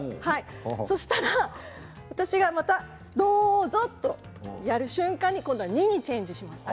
そうしたら、また私がどうぞとやる瞬間に今度は２にチェンジします。